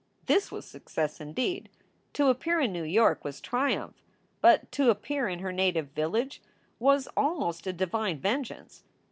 This was success indeed! To appear in New York was triumph, but to appear in her native village was almost a divine vengeance.